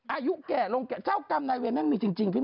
อายุแก่ลงแก่เจ้ากรรมนายเวรแม่งมีจริงพี่เห